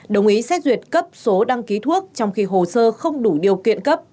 đồng ý xét duyệt cấp số đăng ký thuốc trong khi hồ sơ không đủ điều kiện cấp